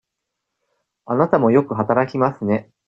あなたもよく働きますね。